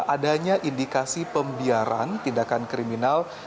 adanya indikasi pembiaran tindakan kriminal